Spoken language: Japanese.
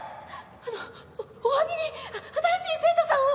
あのお詫びに新しい生徒さんを。